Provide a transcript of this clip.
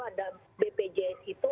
ada bpjs itu